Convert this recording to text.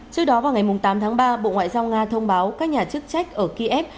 trước đó vào ngày tám tháng ba bộ ngoại giao nga thông báo các nhà chức trách ở kiev